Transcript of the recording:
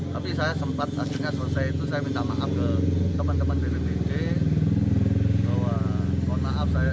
tapi saya sempat akhirnya selesai itu saya minta maaf ke teman teman bppc bahwa mohon maaf saya